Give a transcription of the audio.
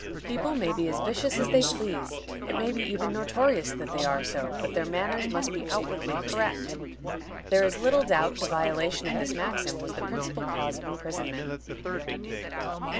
People may be as vicious as they please; it may be even notorious that they are so, but their manners must be outwardly correct. There is little doubt the violation of this maxim was the principal cause of imprisonment.